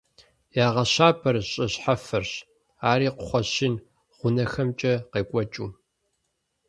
Ягъэщабэр щӏы щхьэфэрщ, ари кхъуэщын гъунэхэмкӏэ къекӏуэкӏыу.